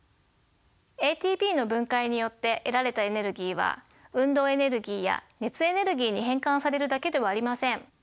ＡＴＰの分解によって得られたエネルギーは運動エネルギーや熱エネルギーに変換されるだけではありません。